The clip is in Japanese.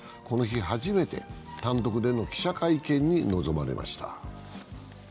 この日、初めて単独での記者会見に臨まれました。